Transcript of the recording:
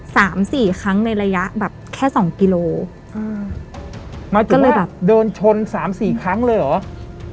สามสี่ครั้งในระยะแบบแค่สองกิโลอืมมันก็เลยแบบเดินชนสามสี่ครั้งเลยเหรอ